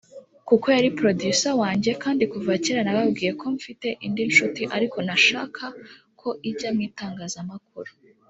kuko yari producer wanjye kandi kuva kera nababwiye ko mfite indi nshuti ariko ntashaka ko ijya mu itangazamakuru”